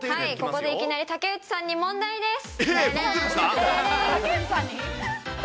ここでいきなり、武内さんに問題です。